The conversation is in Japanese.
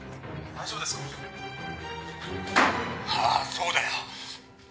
ああそうだよ。